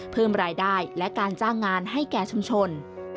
เพิ่มรายได้และการจ้างงานให้แก่ชุมชน